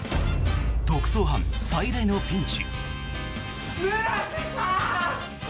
特捜班、最大のピンチ。